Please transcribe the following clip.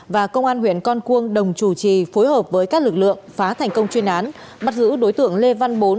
và công an huyện con cuông đồng chủ trì phối hợp với các lực lượng phá thành công chuyên án bắt giữ đối tượng lê văn bốn